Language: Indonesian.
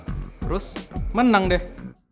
terus menang deh